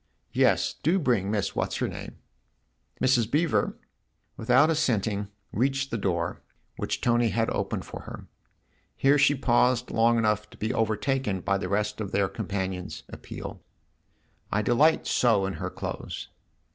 "Yes do bring Miss What's her name." Mrs. Beever, without assent ing, reached the door, which Tony had opened for her. Here she paused long enough to be over taken by the rest of their companion's appeal. " I delight so in her clothes."